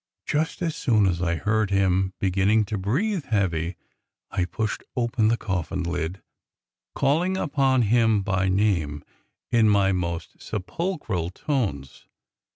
Just as soon as I heard him beginnin' to breathe heavy I pushed open the coffin lid, callin' upon him by name in most sepulchral tones.